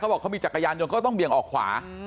บอกเขามีจักรยานยนต์ก็ต้องเบี่ยงออกขวา